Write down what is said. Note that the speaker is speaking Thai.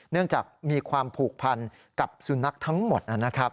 เนื่องจากมีความผูกพันกับสุนัขทั้งหมดนะครับ